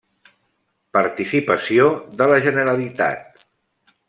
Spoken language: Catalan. Participació de la Generalitat: